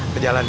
ke jalan ya